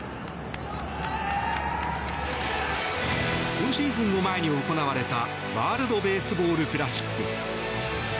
今シーズンを前に行われたワールド・ベースボール・クラシック。